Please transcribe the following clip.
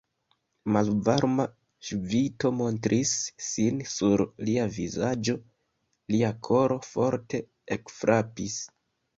Malvarma ŝvito montris sin sur lia vizaĝo; lia koro forte ekfrapis.